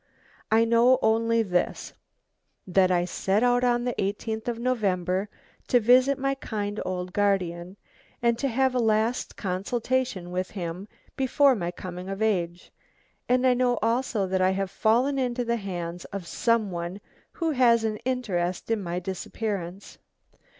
I know only this, that I set out on the 18th of November to visit my kind old guardian, and to have a last consultation with him before my coming of age. And I know also that I have fallen into the hands of some one who has an interest in my disappearance.